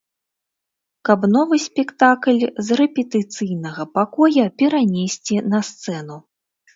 Каб новы спектакль з рэпетыцыйнага пакоя перанесці на сцэну.